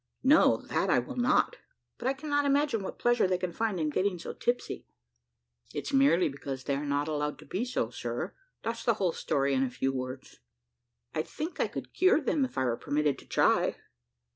"No, that I will not; but I cannot imagine what pleasure they can find in getting so tipsy." "It's merely because they are not allowed to be so, sir. That's the whole story in few words." "I think I could cure them, if I were permitted to try."